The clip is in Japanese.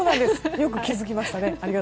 良く気づきましたね。